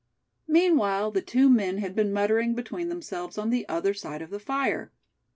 Meanwhile the two men had been muttering between themselves on the other side of the fire.